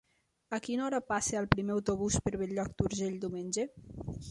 A quina hora passa el primer autobús per Bell-lloc d'Urgell diumenge?